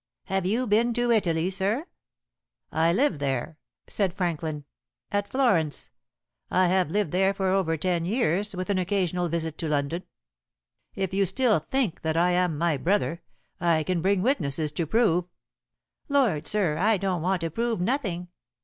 "Have you been to Italy, sir?" "I live there," said Franklin, "at Florence. I have lived there for over ten years, with an occasional visit to London. If you still think that I am my brother, I can bring witnesses to prove " "Lord, sir, I don't want to prove nothing.